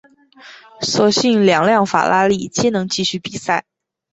所幸两辆法拉利皆能继续比赛。